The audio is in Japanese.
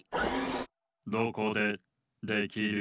どこでできる？